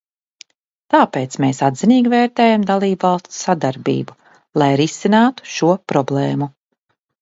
Tāpēc mēs atzinīgi vērtējam dalībvalstu sadarbību, lai risinātu šo problēmu.